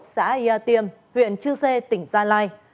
xã yà tiêm huyện chư sê tỉnh gia lai